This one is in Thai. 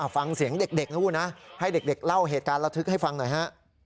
ฟังเสียงเด็กนะคุณนะให้เด็กเล่าเหตุการณ์ระทึกให้ฟังหน่อยฮะ